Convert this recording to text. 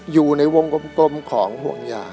อยู่ในวงกลมของห่วงยาง